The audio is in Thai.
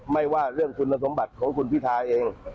ไม่ว่าเรื่องคุณสมบัติของคุณพิทาเอง